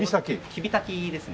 キビタキですね。